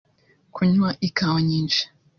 kunywa ikawa nyinshi